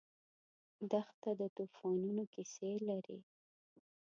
دښته د توفانونو کیسې لري.